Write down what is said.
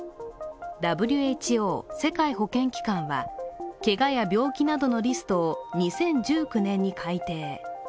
ＷＨＯ＝世界保健機関はけがや病気などのリストを２０１９年に改定。